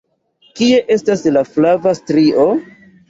Kie estas la flava strio?